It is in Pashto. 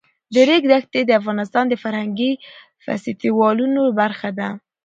د ریګ دښتې د افغانستان د فرهنګي فستیوالونو برخه ده.